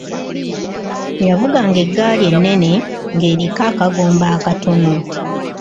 Yavuga nga eggaali ennene nga eriko akagoombe akatono.